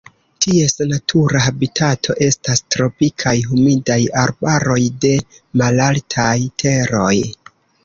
Ties natura habitato estas tropikaj humidaj arbaroj de malaltaj teroj.